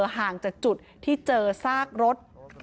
ห่างจากจุดที่เจอซากรถ